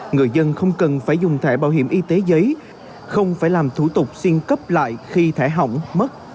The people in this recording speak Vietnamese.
người dân không cần phải dùng thẻ bảo hiểm y tế giấy không phải làm thủ tục xin cấp lại khi thẻ hỏng mất